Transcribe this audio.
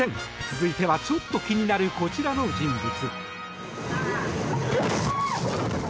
続いてはちょっと気になるこちらの人物。